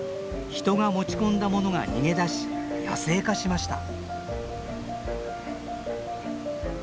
人が持ち込んだものが逃げ出し野生化しました。